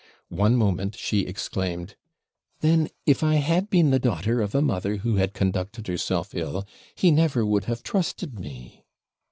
One moment she exclaimed, 'Then, if I had been the daughter of a mother who had conducted herself ill, he never would have trusted me!'